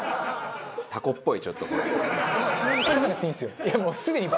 たこっぽいちょっとこれ。